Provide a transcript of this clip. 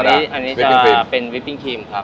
อันนี้จะเป็นวิปปิ้งครีมครับ